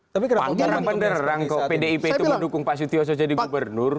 tapi kenapa tidak terang terang saat pdip itu mendukung pak sudha menjadi gubernur